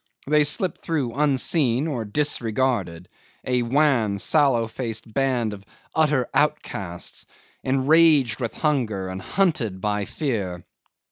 They slipped through unseen or disregarded, a wan, sallow faced band of utter outcasts, enraged with hunger and hunted by fear.